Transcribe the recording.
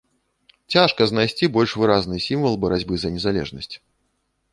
Цяжка знайсці больш выразны сімвал барацьбы за незалежнасць.